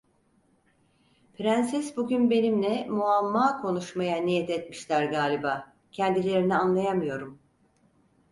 Prenses bugün benimle muamma konuşmaya niyet etmişler galiba, kendilerini anlayamıyorum.